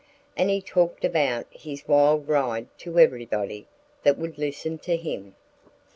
And he talked about his wild ride to everybody that would listen to him.